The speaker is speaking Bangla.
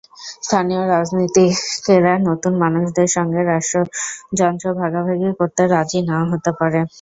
স্থানীয় রাজনীতিকেরা নতুন মানুষদের সঙ্গে রাষ্ট্রযন্ত্র ভাগাভাগি করতে রাজি না–ও হতে পারে।